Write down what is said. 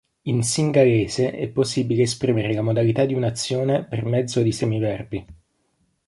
In singalese è possibile esprimere la modalità di un'azione per mezzo di semi-verbi.